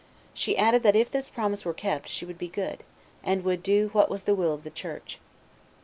She added that if this promise were kept, she would be good, and would do what was the will of the Church.